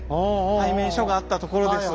対面所があったところです。